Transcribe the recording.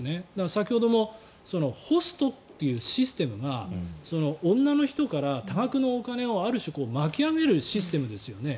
先ほどもホストというシステムが女の人から多額のお金を、ある種巻き上げるシステムですよね。